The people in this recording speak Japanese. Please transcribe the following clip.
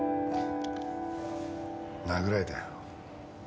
殴られたよ。